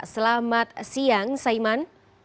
selamat siang saiman